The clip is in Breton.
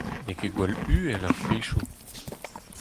N'eo ket gwall uhel ar prizioù.